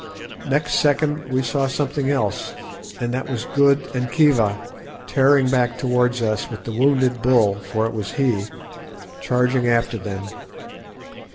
Next second we saw something else, and that was Good and Khiva tearing back towards us with the wounded bull—for it was he—charging after them.